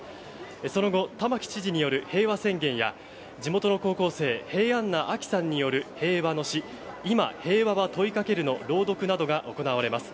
その後、玉城知事による平和宣言や地元の高校生平安名秋さんによる平和の詩「今、平和は問いかける」の朗読などが行われます。